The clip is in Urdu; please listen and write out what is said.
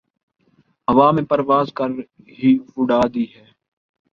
ہوا میں پرواز کر ہی اڑا دی ہیں